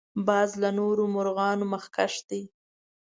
باز له نورو مرغانو مخکښ دی